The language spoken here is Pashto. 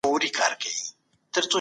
آيا نوی نسل خپل تاريخ مطالعه کوي؟